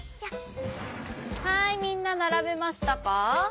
はいみんなならべましたか？